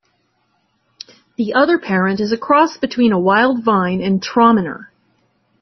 The other parent is a cross between a wild vine and Traminer.